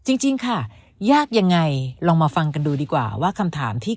จริงค่ะยากยังไงลองมาฟังกันดูดีกว่าว่าคำถามที่